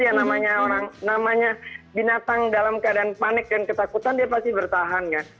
ya namanya binatang dalam keadaan panik dan ketakutan dia pasti bertahan